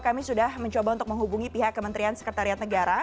kami sudah mencoba untuk menghubungi pihak kementerian sekretariat negara